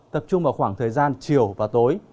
tập trung vào khoảng thời gian chiều và tối